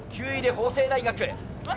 ９位で法政大学。